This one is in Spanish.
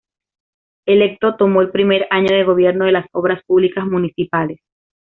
Electo tomó el primer año de gobierno de las Obras Públicas Municipales.